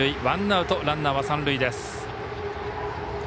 ワンアウト、ランナーは三塁です。